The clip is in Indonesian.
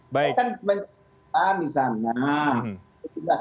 saya kan mencoba di sana